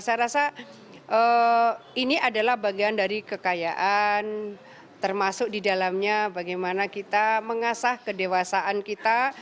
saya rasa ini adalah bagian dari kekayaan termasuk di dalamnya bagaimana kita mengasah kedewasaan kita